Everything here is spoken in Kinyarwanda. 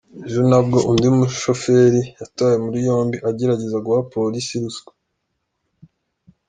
Ejo nabwo undi mushoferi yatawe muri yombi agerageza guha umupolisi ruswa.